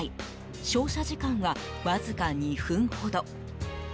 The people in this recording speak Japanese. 照射時間はわずか２分ほど。